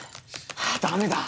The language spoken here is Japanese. ダメだ。